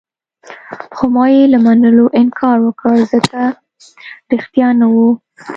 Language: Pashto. خو ما يې له منلو انکار وکړ، ځکه ريښتیا نه وو.